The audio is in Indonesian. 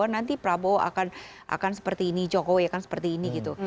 nanti prabowo akan seperti ini jokowi akan seperti ini gitu